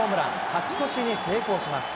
勝ち越しに成功します。